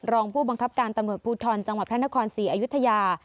รองผู้บังคับการตำรวจภูทรจังหวัดพระนครศรีอยุธยา